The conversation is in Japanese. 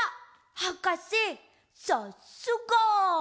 はかせさっすが！